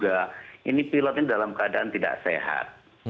dan saya juga ini pilotnya dalam keadaan tidak sehat